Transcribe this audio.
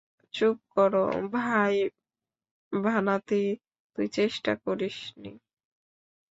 চুপ কর, ভাই ভানাথি, তুই চেষ্টা করিসনি?